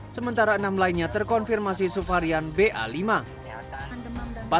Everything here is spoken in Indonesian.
sementara enam lainnya terkonfirmasi subvarian ba lima